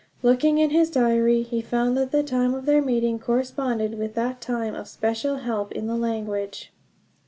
Looking in his diary, he found that the time of their meeting corresponded with that time of special help in the language.